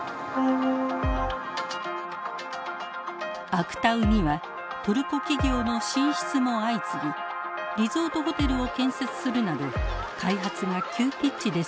アクタウにはトルコ企業の進出も相次ぎリゾートホテルを建設するなど開発が急ピッチで進められています。